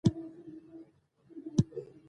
يوه پر لور پښه کيښوده.